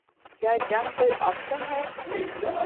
کیا جنگ کوئی آپشن ہے؟